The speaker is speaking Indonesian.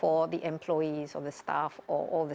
untuk pekerja atau staf atau pembantuan